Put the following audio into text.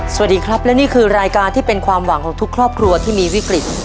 สวัสดีครับและนี่คือรายการที่เป็นความหวังของทุกครอบครัวที่มีวิกฤต